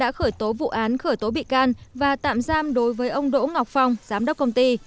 đã khởi tố vụ án khởi tố bị can và tạm giam đối với ông đỗ ngọc phong giám đốc công ty